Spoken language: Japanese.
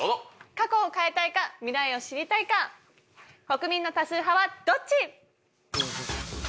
過去を変えたいか未来を知りたいか国民の多数派はどっち？